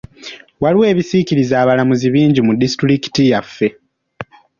Waliwo ebisikiriza abulambuzi bingi mu disitulikiti yaffe.